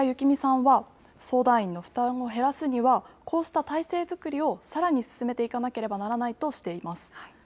己さんは相談員の負担を減らすには、こうした体制作りをさらに進めていかなければならないとしています。